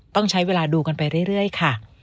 ต้องใช้เวลาดูกันไปเรื่อยค่ะ